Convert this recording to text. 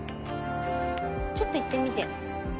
ちょっと言ってみてよ。